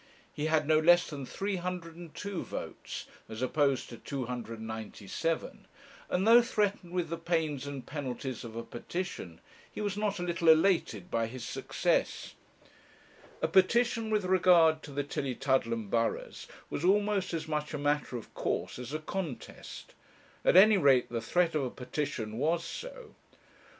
He had no less than 312 votes, as opposed to 297, and though threatened with the pains and penalties of a petition, he was not a little elated by his success. A petition with regard to the Tillietudlem burghs was almost as much a matter of course as a contest; at any rate the threat of a petition was so.